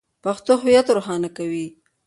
پښتو هویت روښانه کوي.